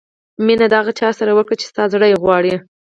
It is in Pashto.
مینه د هغه چا سره وکړه چې ستا زړه یې غواړي.